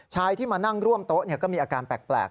ชายที่มานั่งร่วมโต๊ะก็มีอาการแปลก